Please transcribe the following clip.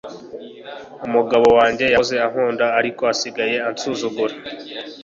umugabo wanjye yahoze ankunda ariko asigaye ansuzugura